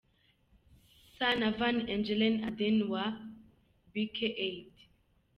ca na Van Engelen Adne wa Bike Aid.